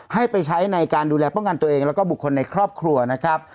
ให้ไปใช้ในการดูแลป้องกันตัวเองแล้วก็บุคคลในครอบครัวนะครับ